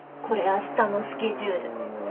これ明日のスケジュール。